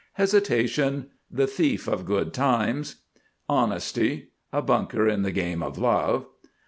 HESITATION. The thief of good times. HONESTY. A bunker in the game of Love.